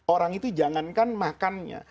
orang itu jangankan makannya